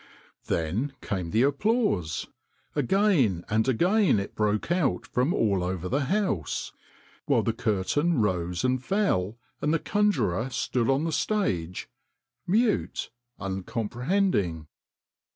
Then came the applause. Again and again it broke out from all over the house, while the curtain rose and fell, and the conjurer stood on the stage, mute, uncomprehending.